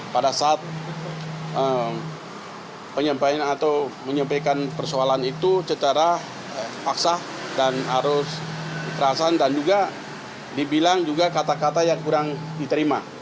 pada saat penyampaian atau menyampaikan persoalan itu secara paksa dan harus kerasan dan juga dibilang juga kata kata yang kurang diterima